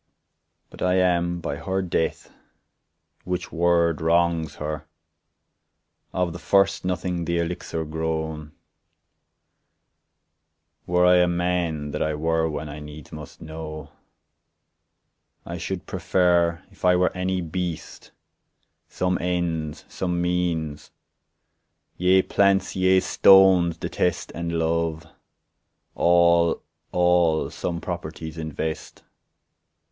But I am by her death—which word wrongs her— Of the first nothing the elixir grown ; Were I a man, that I were one I needs must know ; I should prefer, If I were any beast, Some ends, some means ; yea plants, yea stones detest, And love ; all, all some properties invest.